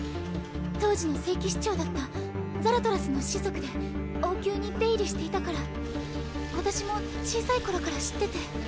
当時の聖騎士長だったザラトラスの子息で王宮に出入りしていたから私も小さいころから知ってて。